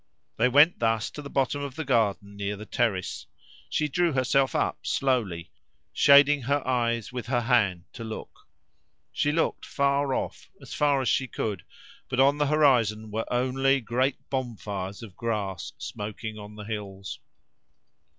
They went thus to the bottom of the garden near the terrace. She drew herself up slowly, shading her eyes with her hand to look. She looked far off, as far as she could, but on the horizon were only great bonfires of grass smoking on the hills.